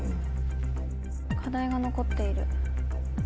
課題が残っている。